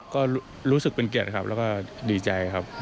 ก็รู้สึกเป็นเกียรติครับแล้วก็ดีใจครับ